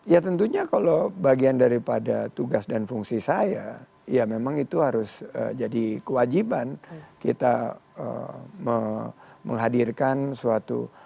ya tentunya kalau bagian daripada tugas dan fungsi saya ya memang itu harus jadi kewajiban kita menghadirkan suatu